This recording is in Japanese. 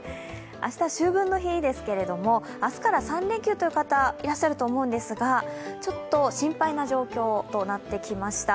明日、秋分の日ですけれども明日から３連休という方、いらっしゃると思うんですが、ちょっと心配な状況となってきました。